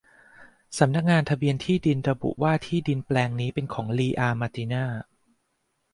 สำนักงานทะเบียนที่ดินระบุว่าที่ดินแปลงนี้เป็นของคุณลีอาห์ มาร์ติน่า